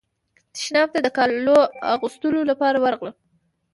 تشناب ته د کالو اغوستلو لپاره ورغلم.